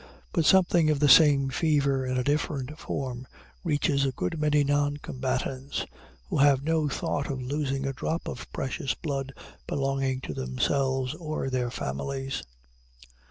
But something of the same fever in a different form reaches a good many non combatants, who have no thought of losing a drop of precious blood belonging to themselves or their families.